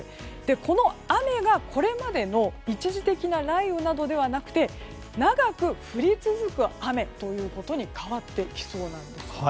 この雨が、これまでの一時的な雷雨などではなくて長く降り続く雨ということに変わってきそうなんです。